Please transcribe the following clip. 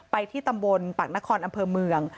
ที่ตำบลปากนครอำเภอเมือง